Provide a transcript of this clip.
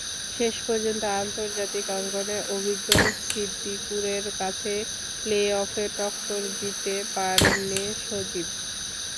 শেষ পর্যন্ত আন্তর্জাতিক অঙ্গনে অভিজ্ঞ সিদ্দিকুরের কাছে প্লে-অফে টক্কর দিতে পারেননি সজীব।